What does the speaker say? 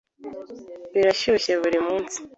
Birashyushye buri munsi?